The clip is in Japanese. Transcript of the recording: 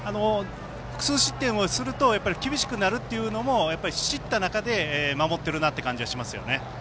複数失点をすると厳しくなるというのも知った中で守ってるなという感じはしますよね。